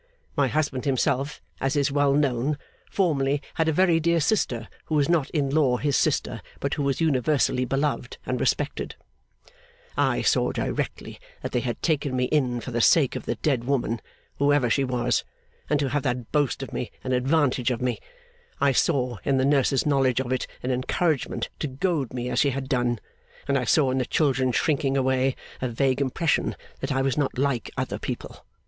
My husband himself, as is well known, formerly had a very dear sister who was not in law his sister, but who was universally beloved and respected ' I saw directly that they had taken me in for the sake of the dead woman, whoever she was, and to have that boast of me and advantage of me; I saw, in the nurse's knowledge of it, an encouragement to goad me as she had done; and I saw, in the children's shrinking away, a vague impression, that I was not like other people.